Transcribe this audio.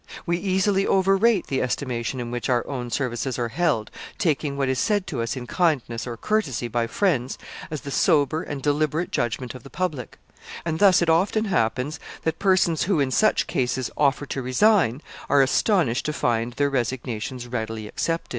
We easily overrate the estimation in which our own services are held taking what is said to us in kindness or courtesy by friends as the sober and deliberate judgment of the public; and thus it often happens that persons who in such case offer to resign, are astonished to find their resignations readily accepted.